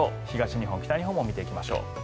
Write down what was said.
東日本、北日本も見ていきます。